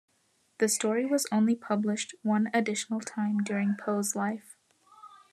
The story was only published one additional time during Poe's life.